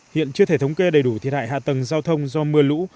hiện chưa thể thống kê đầy đủ thiệt hại hạ tầng giao thông do mưa lũ